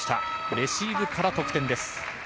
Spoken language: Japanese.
レシーブから得点です。